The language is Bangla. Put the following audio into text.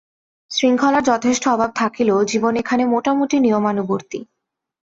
শৃঙ্খলার যথেষ্ট অভাব থাকিলেও জীবন এখানে মোটামুটি নিয়মানুবর্তী।